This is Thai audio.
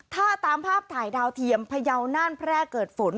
ถ้าตามภาพถ่ายดาวเทียมพยาวน่านแพร่เกิดฝน